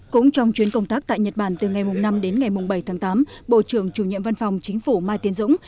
cũng trong chuyến công tác tại nhật bản từ ngày năm đến ngày bảy tháng tám bộ trưởng chủ nhiệm văn phòng chính phủ mai tiến dũng